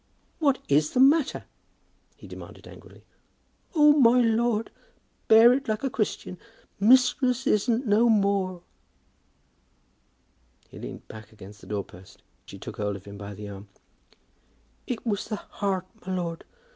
"What is the matter?" he demanded angrily. "Oh, my lord; bear it like a Christian. Mistress isn't no more." He leaned back against the door post, and she took hold of him by the arm. "It was the heart, my lord.